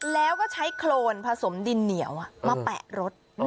แล้วก็ใช้โครนผสมดินเหนียวมาแปะรถ